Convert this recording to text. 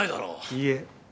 いいえ。